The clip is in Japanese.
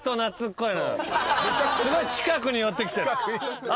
すごい近くに寄ってきてる。